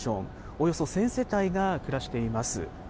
およそ１０００世帯が暮らしています。